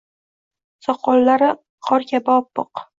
Soqollari qor kabi oppoq.